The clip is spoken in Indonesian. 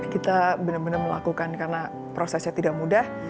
kita benar benar melakukan karena prosesnya tidak mudah